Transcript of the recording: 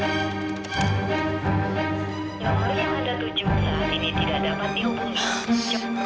nomor yang anda tuju saat ini tidak dapat dihubungi